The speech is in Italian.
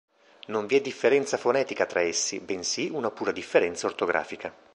Non vi è differenza fonetica tra essi, bensì una pura differenza ortografica.